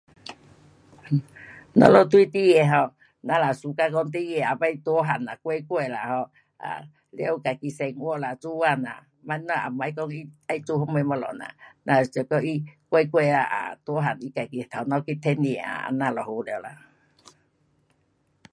咱们对孩儿 um 咱就 suka 孩儿以后大个了乖乖啦 um，啊了自己生活啦，做工啦，咱也甭讲去再做什么东西呐。咱想讲他乖乖，大个了他自头脑去赚吃，这样就好了啦。